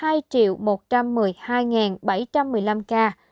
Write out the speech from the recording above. bệnh nhân được công bố khỏi hai một trăm một mươi hai bảy trăm một mươi năm ca